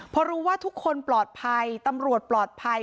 พอรู้ว่าทุกคนปลอดภัยตำรวจปลอดภัย